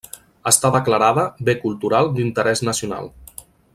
Està declarada Bé Cultural d'Interès Nacional.